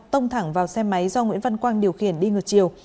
tông thẳng vào xe máy do nguyễn văn quang điều khiển đi ngược chiều